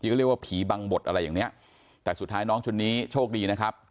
ก็เรียกว่าผีบังบดอะไรอย่างเนี้ยแต่สุดท้ายน้องคนนี้โชคดีนะครับ